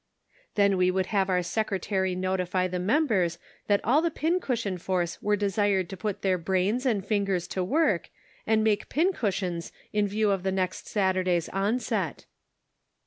" Then we would have our secretary notify the members that all the pin cushion force were desired to put their brains and fingers to work and make pin cushions in view of the next Saturday's onset."